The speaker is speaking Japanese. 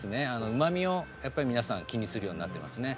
うまみを皆さん気にするようになってますね。